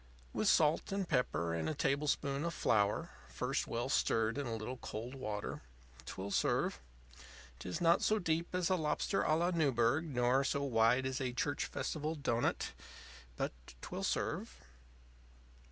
With salt and pepper and a tablespoonful of flour (first well stirred in a little cold water) 'twill serve 'tis not so deep as a lobster ├Ā la Newburg nor so wide as a church festival doughnut; but 'twill serve.